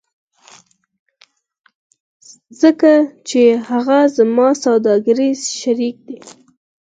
ځکه چې هغه زما سوداګریز شریک دی